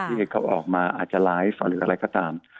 ที่เขาออกมาอาจจะไลฟ์หรืออะไรก็ตาม